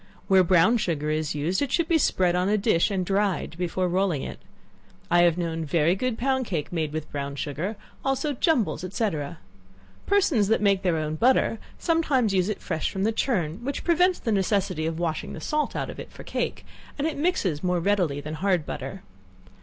Where brown sugar is used, it should be spread on a dish and dried before rolling it. I have known very good pound cake made with brown sugar; also jumbles, &c. Persons that make their own butter sometimes use it fresh from the churn, which prevents the necessity of washing the salt out of it for cake, and it mixes more readily than hard butter.